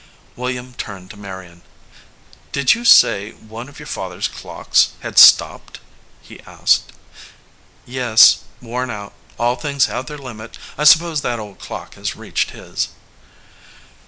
William turned to Marion. "Did you say one of your father s clocks had stopped ?" he asked. "Yes, worn out. All things have their limit. I suppose that old clock has reached his."